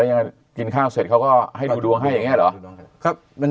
ยังไงกินข้าวเสร็จเขาก็ให้ดูดวงให้อย่างนี้เหรอ